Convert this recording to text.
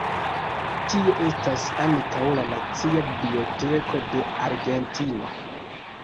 Tie estas ankaŭ la Nacia Biblioteko de Argentino.